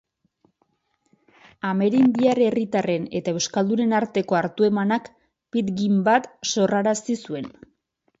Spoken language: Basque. Amerindiar herritarren eta euskaldunen arteko hartu-emanak pidgin bat sorrarazi zuen.